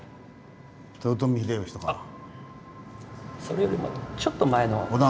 あっそれよりもちょっと前の。